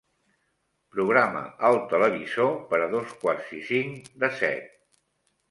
Programa el televisor per a dos quarts i cinc de set.